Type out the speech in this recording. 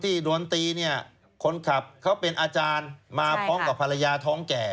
โดนตีเนี่ยคนขับเขาเป็นอาจารย์มาพร้อมกับภรรยาท้องแก่